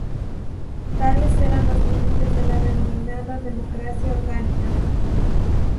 Tales eran los límites de la denominada "democracia orgánica".